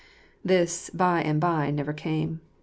This "by and by" never came.